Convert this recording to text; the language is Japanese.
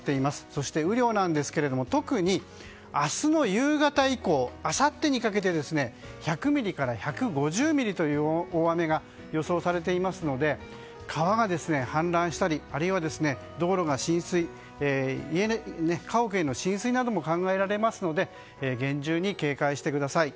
そして雨量なんですが特に明日の夕方以降あさってにかけて１００ミリから１５０ミリという大雨が予想されていますので川が氾濫したりあるいは道路が浸水家屋への浸水なども考えられますので厳重に警戒してください。